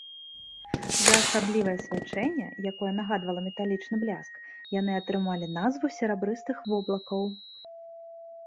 За асаблівае свячэнне, якое нагадвае металічны бляск, яны атрымалі назву серабрыстых воблакаў.